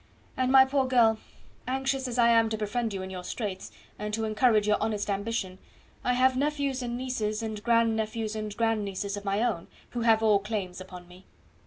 And, my poor girl, anxious as I am to befriend you in your straits, and to encourage your honest ambition, I have nephews and nieces, and grand nephews and grand nieces of my own, who have all claims upon me.